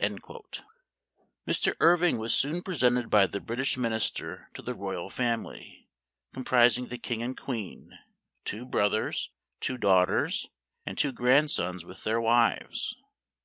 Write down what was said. Memoir of Washington Irving. 123 Mr. Irving was soon presented by the British Minister to the royal family, comprising the King and Queen, two brothers, two daughters, and two grandsons with their wives.